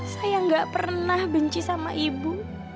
saya nggak pernah benci sama ibu